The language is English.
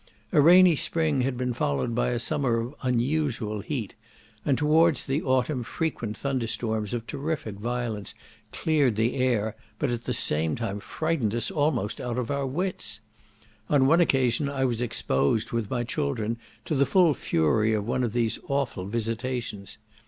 A rainy spring had been followed by a summer of unusual heat; and towards the autumn frequent thunderstorms of terrific violence cleared the air, but at the same time frightened us almost out of our wits. On one occasion I was exposed, with my children, to the full fury of one of these awful visitations.